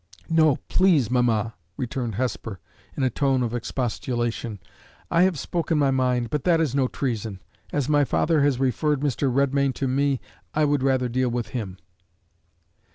"No, please, mamma!" returned Hesper, in a tone of expostulation. "I have spoken my mind, but that is no treason. As my father has referred Mr. Redmain to me, I would rather deal with him."